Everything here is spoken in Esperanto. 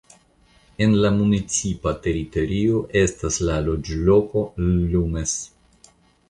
En la municipa teritorio estas la loĝloko Llumes.